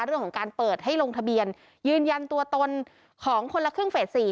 เรื่องของการเปิดให้ลงทะเบียนยืนยันตัวตนของคนละครึ่งเฟส๔